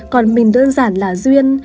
còn mình đơn giản là duyên